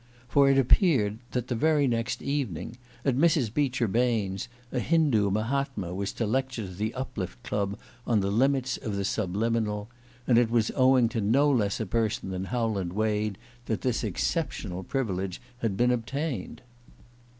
For it appeared that the very next evening, at Mrs. Beecher Bain's, a Hindu Mahatma was to lecture to the Uplift Club on the Limits of the Subliminal; and it was owing to no less a person than Howland Wade that this exceptional privilege had been obtained.